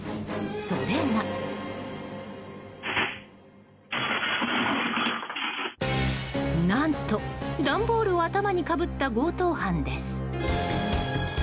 それは、何と段ボールを頭にかぶった強盗犯です。